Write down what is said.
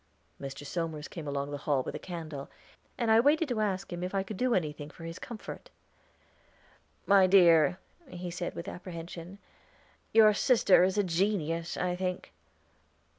Mr. Somers came along the hall with a candle, and I waited to ask him if I could do anything for his comfort. "My dear," he said with apprehension, "your sister is a genius, I think."